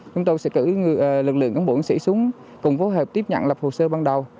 chúng tôi sẽ cử lực lượng công an sử súng cùng phối hợp tiếp nhận lập hồ sơ ban đầu